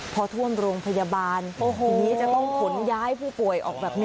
พอท่วมโรงพยาบาลโอ้โหจะต้องขนย้ายผู้ป่วยออกแบบนี้